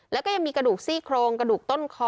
แล้วก็ยังมีกระดูกซี่โครงกระดูกต้นคอ